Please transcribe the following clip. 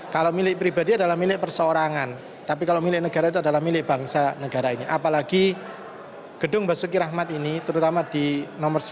kalau milik pribadi adalah milik persoorangan tapi kalau milik negara itu adalah milik bangsa negara ini apalagi gedung bosuki rahmat ini terutama di nomor satu ratus dua puluh satu yang menjadi bangunan cagar budaya